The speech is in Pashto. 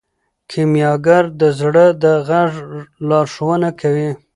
کیمیاګر د زړه د غږ لارښوونه کوي.